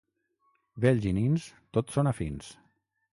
Vells i nins tots són afins.